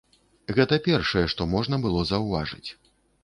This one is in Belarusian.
Гэта першае, што можна было заўважыць.